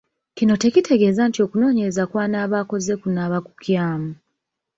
Kino tekitegeeza nti okunoonyereza kw’anaaba akoze kunaaba kukyamu.